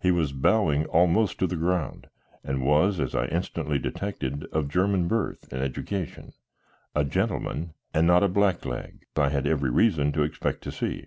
He was bowing almost to the ground, and was, as I instantly detected, of German birth and education, a gentleman, and not a blackleg I had every reason to expect to see.